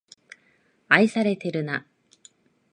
愛されてるな